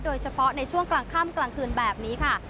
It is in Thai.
โดยเฉพาะในช่วงกลางค่ำกลางคืนแบบนี้ค่ะ